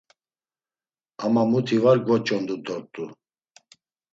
Ama muti var gvoç̌ondru dort̆u.